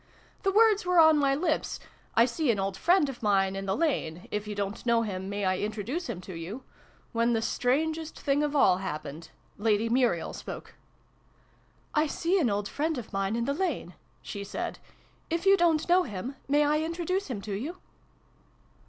The words were on my lips (" I see an old friend of mine in the lane : if you don't know him, may I introduce him to you ?") when the strangest thing of all happened : Lady Muriel spoke. " I see an old friend of mine in the lane," she said :" if you don't know him, may I introduce him to you